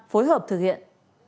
phối hợp thực hiện